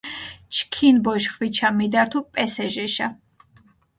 ჩქინ ბოშ ხვიჩა მიდართუ პესეჟეშა